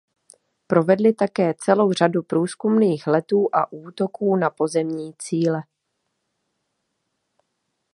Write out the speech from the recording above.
Provedli také celou řadu průzkumných letů a útoků na pozemní cíle.